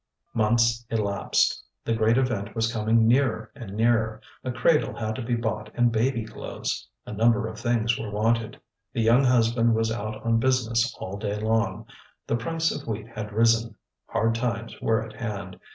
ŌĆØ Months elapsed. The great event was coming nearer and nearer. A cradle had to be bought and baby clothes. A number of things were wanted. The young husband was out on business all day long. The price of wheat had risen. Hard times were at hand.